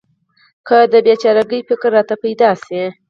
که د بې چاره ګۍ فکر راته پیدا شي.